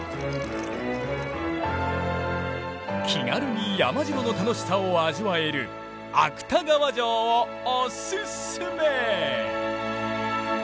気軽に山城の楽しさを味わえる芥川城をオススメ。